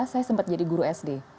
saya sempat jadi guru sd